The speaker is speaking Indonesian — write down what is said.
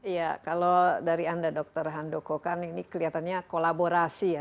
ya kalau dari anda dr handoko kan ini kelihatannya kolaborasi ya